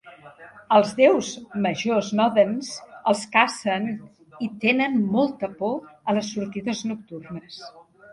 Els déus majors Nodens els cacen i tenen molta por a les sortides nocturnes.